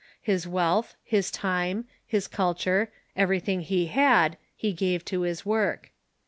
His wealth, his time, his culture, everything he had, he gave to this work.